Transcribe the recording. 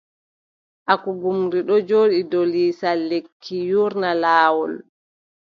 Agugumri ɗon jooɗi dow lisal lekki yuurno laawol.